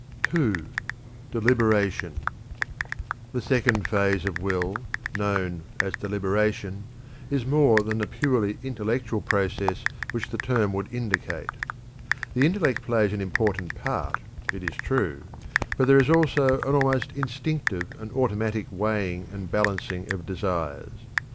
(2). DELIBERATION. The second phase of will, known as deliberation, is more than the purely intellectual process which the term would indicate. The intellect plays an important part, it is true, but there is also an almost instinctive and automatic weighing and balancing of desires.